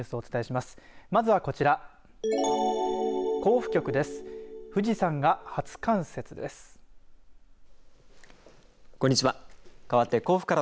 まずはこちら。